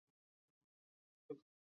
母权氏。